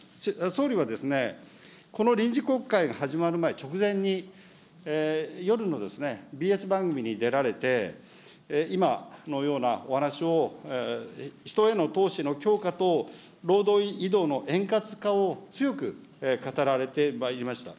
総理はこの臨時国会が始まる前、直前に、夜のＢＳ番組に出られて、今のようなお話を、人への投資の強化と労働移動の円滑化を強く語られてまいりました。